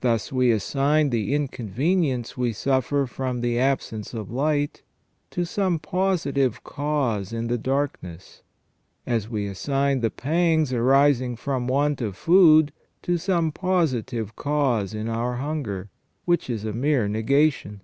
Thus we assign the inconvenience we suffer from the absence of light to some positive cause in the darkness ; as we assign the pangs arising from want of food to some positive cause in our hunger, which is a mere negation.